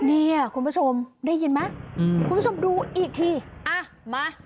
เนี่ยคุณผู้ชมได้ยินไหมคุณผู้ชมดูอีกทีอ่ะมา